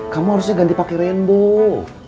kamu harusnya ganti pakai rembo